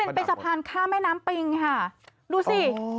เป็นสะพานข้ามแม่น้ำปิงค่ะดูสิ